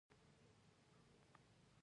افغانستان د خپل هرات ولایت لپاره مشهور دی.